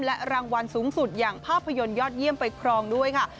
และรางวัลสูงสุดอย่างภาพยนตร์ยอดเยี่ยมไปครองด้วยค่ะ